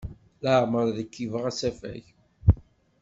Laɛmeṛ rkibeɣ asafag.